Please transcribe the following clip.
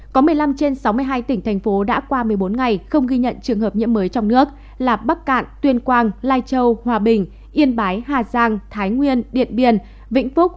có một mươi năm trên sáu mươi hai tỉnh thành phố đã qua một mươi bốn ngày không ghi nhận trường hợp nhiễm mới trong nước là bắc cạn tuyên quang lai châu hòa bình yên bái hà giang thái nguyên điện biên vĩnh phúc